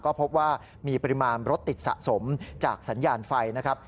ก็พบว่ามีปริมาณรถติดสะสมจากสัญญาณไฟนะครับ